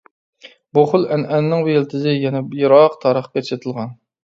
بۇ خىل ئەنئەنىنىڭ يىلتىزى يەنە يىراق تارىخقا چېتىلغان.